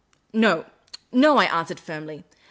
" No, no," I answered, firmly.